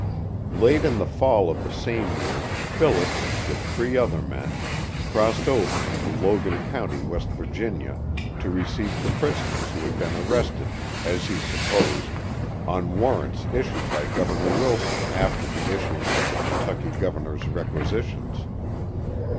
Late in the fall of the same year Phillips, with three other men, crossed over into Logan County, W. Va., to receive the prisoners who had been arrested, as he supposed, on warrants issued by Governor Wilson after the issuance of the Kentucky governor's requisitions.